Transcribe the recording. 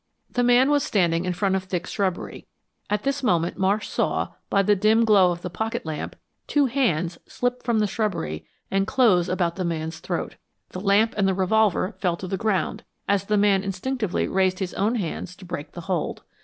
The man was standing in front of thick shrubbery. At this moment, Marsh saw, by the dim glow of the pocket lamp, two hands slip from the shrubbery and close about the man's throat. The lamp and the revolver fell to the ground as the man instinctively raised his own hands to break the hold.